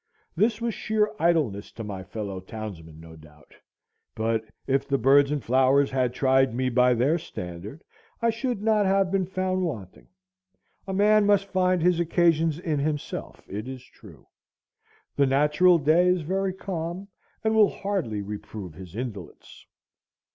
This was sheer idleness to my fellow townsmen, no doubt; but if the birds and flowers had tried me by their standard, I should not have been found wanting. A man must find his occasions in himself, it is true. The natural day is very calm, and will hardly reprove his indolence.